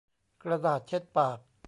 กระดาษเช็ดปาก